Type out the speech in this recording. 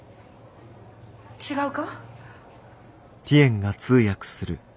違うか？